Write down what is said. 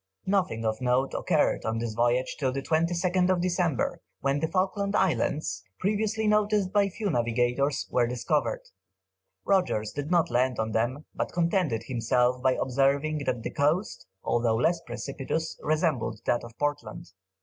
Nothing of note occurred on this voyage till the 22nd December, when the Falkland Islands, previously noticed by few navigators, were discovered. Rogers did not land on them, but contented himself with observing that the coast, although less precipitous, resembled that of Portland.